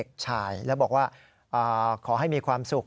ชายแล้วบอกว่าขอให้มีความสุข